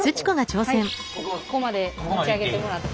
ここまで持ち上げてもらって。